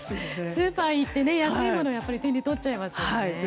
スーパーへ行って安いものを手に取っちゃいますよね。